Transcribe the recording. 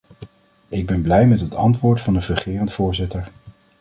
Ik ben blij met het antwoord van de fungerend voorzitter.